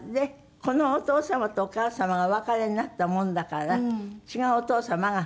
このお父様とお母様がお別れになったものだから違うお父様が。